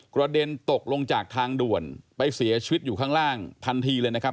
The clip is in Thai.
กระเด็นตกลงจากทางด่วนไปเสียชีวิตอยู่ข้างล่างทันทีเลยนะครับ